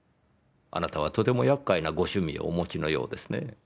あなたはとてもやっかいなご趣味をお持ちのようですね。